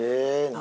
何？